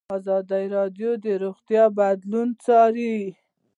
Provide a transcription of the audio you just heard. ازادي راډیو د روغتیا بدلونونه څارلي.